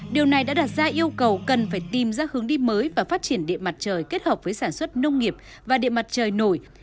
điều này đã đặt ra yêu cầu cần phải tìm ra hướng đi mới và phát triển điện mặt trời kết hợp với sản xuất nông nghiệp và điện mặt trời nổi